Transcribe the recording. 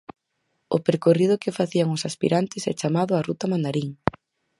O percorrido que facían os aspirantes é chamado a Ruta Mandarín.